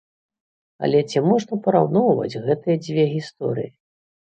Але ці можна параўноўваць гэтыя дзве гісторыі?